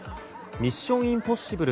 「ミッション：インポッシブル」